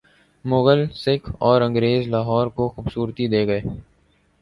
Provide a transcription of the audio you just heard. مغل، سکھ اور انگریز لاہور کو خوبصورتی دے گئے۔